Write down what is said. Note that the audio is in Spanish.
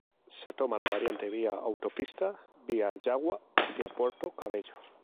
Se toma la variante vía autopista via Yagua hacia Puerto Cabello.